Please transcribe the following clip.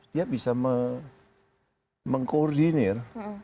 dia bisa mengkoordinir